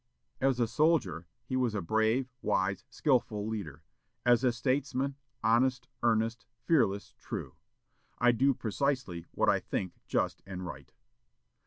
As a soldier, he was a brave, wise, skilful leader; as a statesman, honest, earnest, fearless, true "I do precisely what I think just and right."